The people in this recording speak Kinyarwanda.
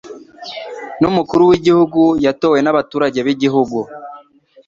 n'umukuru w'igihugu yatowe nabaturage bigihugu